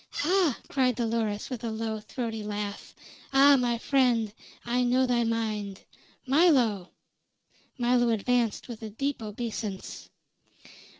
"Hah!" cried Dolores, with a low, throaty laugh. "Ah! my friend, I know thy mind. Milo!" Milo advanced with a deep obeisance.